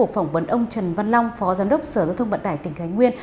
phỏng vấn ông trần văn long phó giám đốc sở giao thông vận tải tỉnh thái nguyên